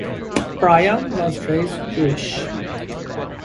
Bryan was raised Jewish.